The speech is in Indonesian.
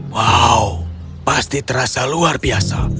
wow pasti terasa luar biasa